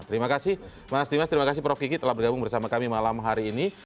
terima kasih mas dimas terima kasih prof kiki telah bergabung bersama kami malam hari ini